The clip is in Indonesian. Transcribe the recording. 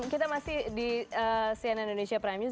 kita masih di cnn indonesia prime news